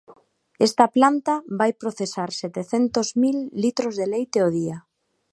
Esta planta vai procesar setecentos mil litros de leite ao día.